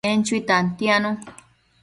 En chui tantianu